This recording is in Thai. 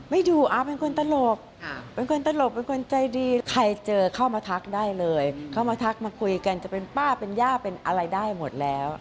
ดูเป็นคนตลกเป็นคนตลกเป็นคนใจดีใครเจอเข้ามาทักได้เลยเข้ามาทักมาคุยกันจะเป็นป้าเป็นย่าเป็นอะไรได้หมดแล้ว